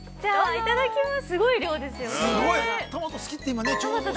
いただきます。